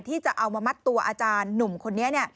ที่จะเอามามัดตัวอาจารย์หนุ่มคนนี้